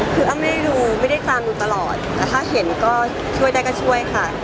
คืออ้ำไม่ได้ดูไม่ได้ตามดูตลอดแต่ถ้าเห็นก็ช่วยได้ก็ช่วยค่ะ